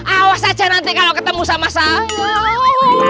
awas aja nanti kalau ketemu sama saya